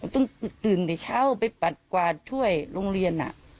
ต้องตื่นเดี๋ยวเช้าไปปัดกวาดถ้วยโรงเรียนน่ะ